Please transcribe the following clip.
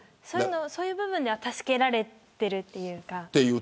そういう部分では助けられているというか。